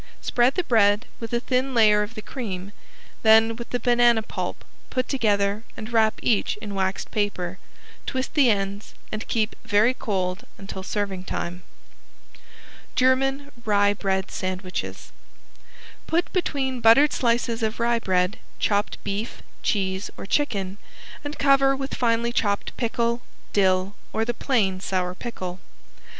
Spread the bread with a thin layer of the cream, then with the banana pulp put together and wrap each in waxed paper, twist the ends, and keep very cold until serving time. ~GERMAN RYE BREAD SANDWICHES~ Put between buttered slices of rye bread chopped beef, cheese or chicken, and cover with finely chopped pickle, dill or the plain sour pickle.